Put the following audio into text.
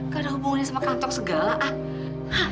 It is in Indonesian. gak ada hubungannya sama kantor segala ah